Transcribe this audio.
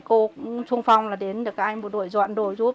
cô trung phong là đến được các anh bộ đội dọn đồ giúp